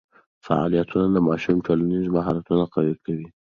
فعالیتونه د ماشوم ټولنیز مهارتونه قوي کوي.